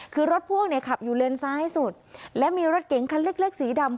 คือรถพ่วงเนี่ยขับอยู่เลนซ้ายสุดและมีรถเก๋งคันเล็กเล็กสีดำ